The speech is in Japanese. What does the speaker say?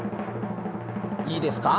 いいですか？